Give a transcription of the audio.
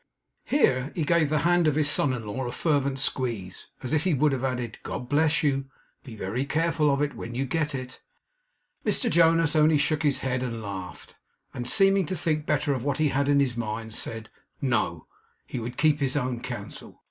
Here he gave the hand of his son in law a fervent squeeze, as if he would have added, 'God bless you; be very careful of it when you get it!' Mr Jonas only shook his head and laughed, and, seeming to think better of what he had had in his mind, said, 'No. He would keep his own counsel.